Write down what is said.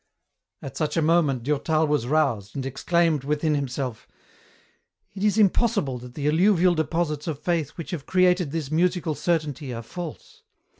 At such a moment Durtal was roused, and exclaimed within himself :" It is impossible that the alluvial deposits of Faith which have created this musical certainty are false.